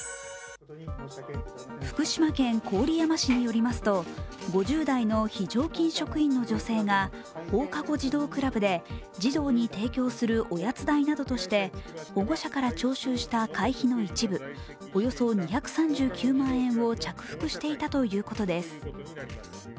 福島県郡山市によりますと５０代の非常勤職員の女性が放課後児童クラブで児童に提供するおやつ代などとして保護者から徴収した会費の一部、およそ２３９万円を着服していたということです。